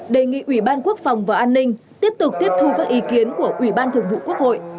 đề nghị ủy ban quốc phòng và an ninh tiếp tục tiếp thu các ý kiến của ủy ban thường vụ quốc hội